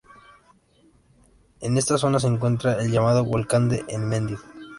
En esta zona se encuentra el llamado "Volcán de Enmedio".